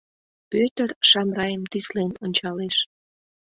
— Пӧтыр Шамрайым тӱслен ончалеш.